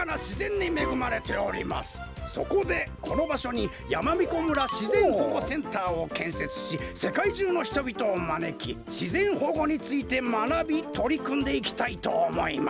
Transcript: そこでこのばしょにやまびこ村しぜんほごセンターをけんせつしせかいじゅうのひとびとをまねきしぜんほごについてまなびとりくんでいきたいとおもいます。